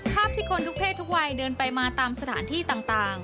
ภาพที่คนทุกเพศทุกวัยเดินไปมาตามสถานที่ต่าง